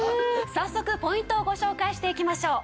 早速ポイントをご紹介していきましょう。